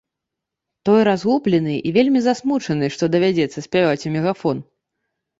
Той разгублены і вельмі засмучаны, што давядзецца спяваць у мегафон.